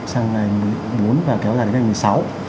sang ngày một mươi bốn và kéo dài đến ngày một mươi sáu